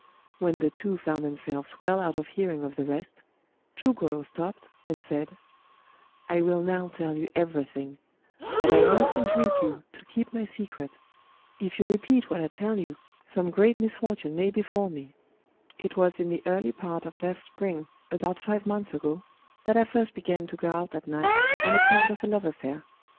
When the two found themselves well out of hearing of the rest, Chugor5 stopped, and said :—" I will now tell you everything ; but I must entreat you to keep my secret. If you repeat Digitized by Googk THE STORY OF CHUGORO 75 what I tell you, some great misfortune may befall me. "It was in the early part of last spring — about five months ago — that I first began to go out at night, on account of a love affiiir.